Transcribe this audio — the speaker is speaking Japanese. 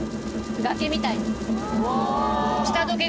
崖みたいに。